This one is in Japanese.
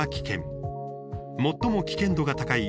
最も危険度が高い